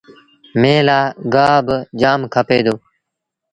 ميݩهن لآ گآه با جآم کپي دو۔